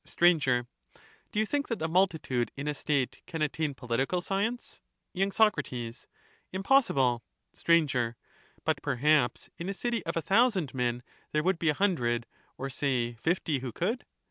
Sir. Do you think that the multitude in a State can attain political science ? y. Soc, Impossible. Sir. But, perhaps, in a city of a thousand men, there would be a hundred, or say fifty, who could